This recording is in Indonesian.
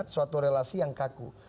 saya melihat suatu relasi yang kaku